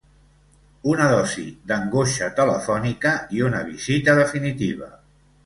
Una dosi d'angoixa telefònica i una visita definitiva.